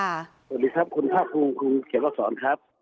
สวัสดีครับคุณภาคภูมิคุณเขียนมาสอนครับ